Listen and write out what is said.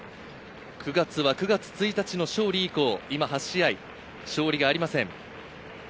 ９月は９月１日の勝利以降８試合、勝利がありません。